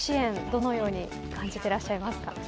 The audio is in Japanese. どのように感じていらっしゃいますか。